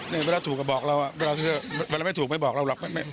เวลาถูกก็บอกเราเวลาไม่ถูกไม่บอกเราหรอก